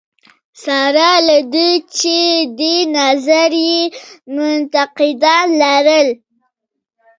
سره له دې چې دې نظریې منتقدان لرل.